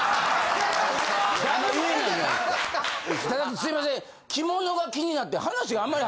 ただすいません。